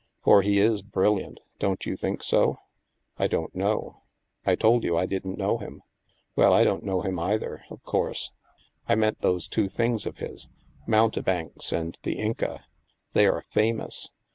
For he is brilliant; don't you think so? "" I don't know. I told you I didn't know him." "Well, I don't know him either, of course. I meant those two things of his, ' Mountebanks ' and ' The Inca.' They are famous.